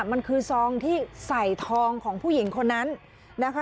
มันคือซองที่ใส่ทองของผู้หญิงคนนั้นนะคะ